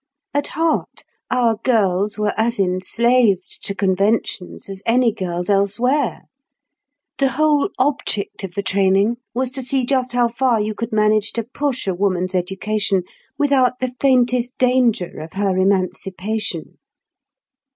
At heart, our girls were as enslaved to conventions as any girls elsewhere. The whole object of the training was to see just how far you could manage to push a woman's education without the faintest danger of her emancipation."